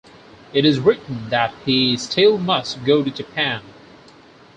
It is written that he still must go to Japan.